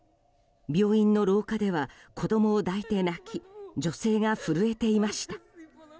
病院の廊下では子供を抱いて泣き女性が震えていました。